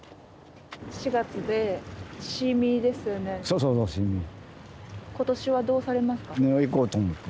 そうそうそうシーミー。